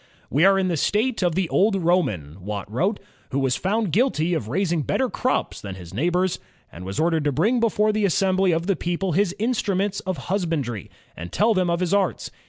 "We are in the state of the old Roman," Watt wrote, " who was foimd guilty of raising better crops than his neighbors, and was ordered to bring before the assembly of the people his instnmients of husbandry, and tell them of his arts.